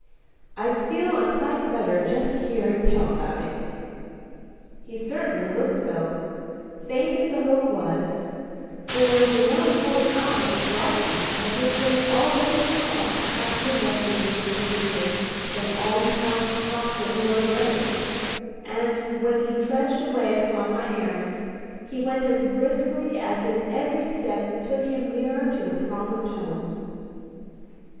I feel a sight better just hearin' tell about it." He certainly looked so, faint as the hope was; for the melancholy eyes brightened as if they already saw a happier refuge in the future than almshouse, hospital, or grave, and, when he trudged away upon my errand, he went as briskly as if every step took him nearer to the promised home.